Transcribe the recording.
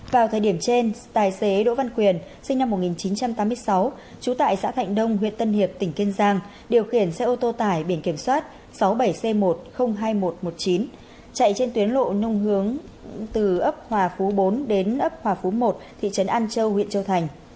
vào thời điểm trên tài xế đỗ văn quyền sinh năm một nghìn chín trăm tám mươi sáu trú tại xã thạnh đông huyện tân hiệp tỉnh kiên giang điều khiển xe ô tô tải biển kiểm soát sáu mươi bảy c một trăm linh hai nghìn một trăm một mươi chín chạy trên tuyến lộ nông hướng từ ấp hòa phú bốn đến ấp hòa phú một thị trấn an châu huyện châu thành